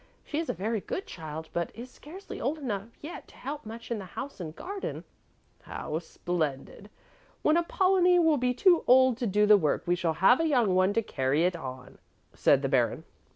She is a very good child, but is scarcely old enough yet to help much in the house and garden." "How splendid! When Apollonie will be too old to do the work, we shall have a young one to carry it on," said the Baron.